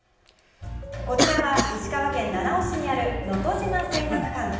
こちらは石川県七尾市にある、のとじま水族館。